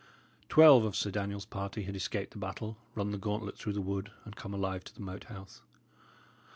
Twelve of Sir Daniel's party had escaped the battle, run the gauntlet through the wood, and come alive to the Moat House.